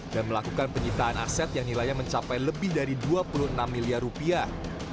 dan melakukan penyitaan aset yang nilainya mencapai lebih dari dua puluh enam miliar rupiah